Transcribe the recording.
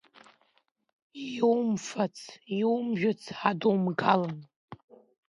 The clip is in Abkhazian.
Иумфац-иумжәыц ҳадумгалан!